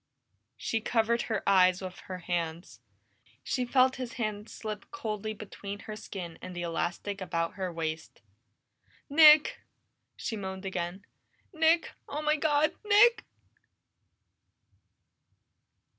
She covered her eyes with her hands. She felt his hand slip coldly between her skin and the elastic about her waist. "Nick!" she moaned again. "Nick! Oh, my God! Nick!"